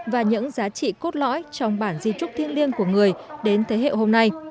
và những giá trị cốt lõi trong bản di trúc thiêng liêng của người đến thế hệ hôm nay